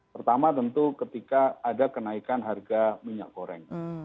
pertama tentu ketika ada kenaikan harga minyak goreng